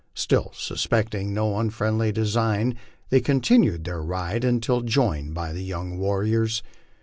Still suspecting no unfriendly design, they continued their ride until joined by the young warriors.